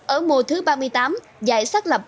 ở mùa thứ ba mươi tám giải xác lập một kỳ